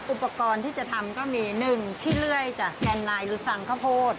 อุปกรณ์ที่จะทำก็มี๑ขี้เลื่อยจากแนนไลน์หรือสั่งข้าวโพด